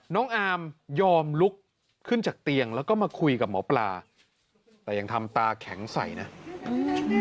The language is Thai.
น้องอามยอมลุกขึ้นจากเตียงแล้วก็มาคุยกับหมอปลาแต่ยังทำตาแข็งใส่นะอืม